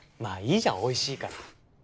まあいいじゃんおいしいから。